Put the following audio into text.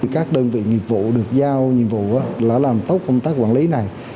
các đơn vị nghiệp vụ được giao nhiệm vụ là làm tốt công tác quản lý này